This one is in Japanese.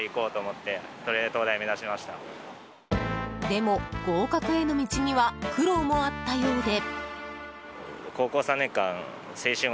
でも、合格への道には苦労もあったようで。